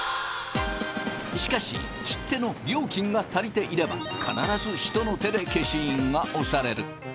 しかし切手の料金が足りていれば必ず人の手で消印が押される。